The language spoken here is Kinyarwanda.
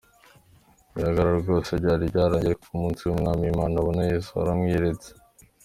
Mu bigaragara rwose byari byarangiye, ariko ku munsi w’Umwami Imana abona Yesu aramwiyeretse.